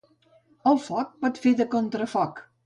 El foc pot fer de contrafoc.